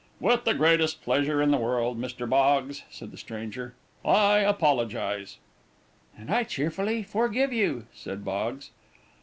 "With the greatest pleasure in the world, Mr. Boggs," said the stranger. "I apologize." "And I cheerfully forgive you," said Boggs.